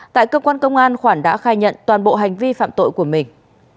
tại cơ quan công an khoản đã khai nhận toàn bộ hành vi phạm tội của mình